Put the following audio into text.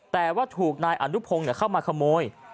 แต่ว่าถูกนายอนุพงศ์เข้ามาขโมย